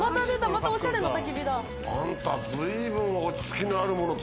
またおしゃれなたき火だ。